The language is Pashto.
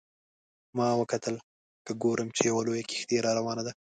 ما وکتل که ګورم چې یوه لویه کښتۍ را روانه ده.